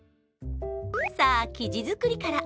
さあ、生地作りから。